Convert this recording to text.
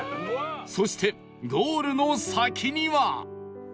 そしてゴールの先には